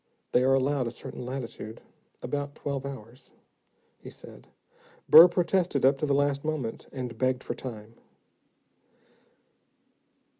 "They are allowed a certain latitude, about twelve hours," he said. "Burr protested up to the last moment, and begged for time."